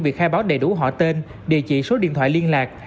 việc khai báo đầy đủ họ tên địa chỉ số điện thoại liên lạc